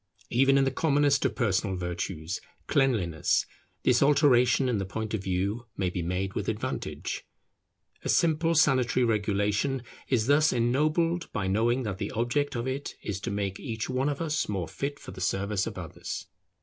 Even in the commonest of personal virtues, cleanliness, this alteration in the point of view may be made with advantage. A simple sanitary regulation is thus ennobled by knowing that the object of it is to make each one of us more fit for the service of others.